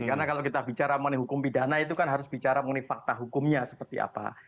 karena kalau kita bicara mengenai hukum pidana itu kan harus bicara mengenai fakta hukumnya seperti apa